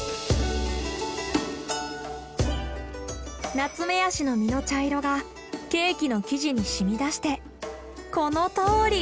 ナツメヤシの実の茶色がケーキの生地にしみ出してこのとおり。